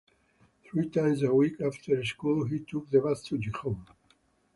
Three times a week, after school, he took the bus to Gijon.